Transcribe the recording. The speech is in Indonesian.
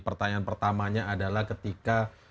pertanyaan pertamanya adalah ketika